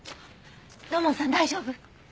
土門さん大丈夫？